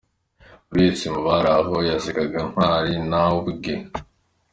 Buri wese mu bari aho yasekaga Ntwari, nawe ubwe.